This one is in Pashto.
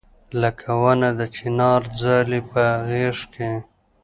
لکه ونه د چنار ځالې په غېږ کې